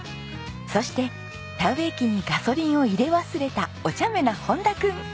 そして田植え機にガソリンを入れ忘れたおちゃめな本田君。